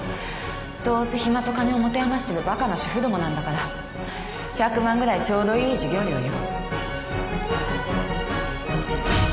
どうせ暇と金を持て余してる馬鹿な主婦どもなんだから１００万ぐらいちょうどいい授業料よ。